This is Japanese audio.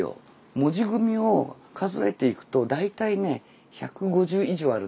「文字組み」を数えていくと大体ね１５０以上あるんです。